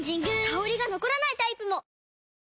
香りが残らないタイプも！